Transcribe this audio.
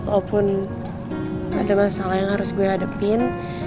walaupun ada masalah yang harus gue hadapin